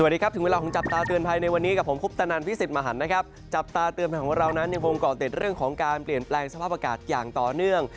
สวัสดีครับถึงเวลาของจับตาเตือนภัยในวันนี้กับผมคุปตนันวิสิทธิมหันนะครับจับตาเตือนภัยของเรานั้นยังคงเกาะติดเรื่องของการเปลี่ยนแปลงสภาพอากาศอย่างต่อเนื่อง